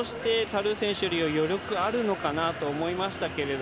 ・ルー選手より余力があるのかなと思いました。